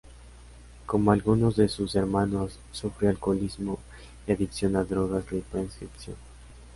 Como algunos de sus hermanos, sufrió alcoholismo y adicción a drogas de prescripción.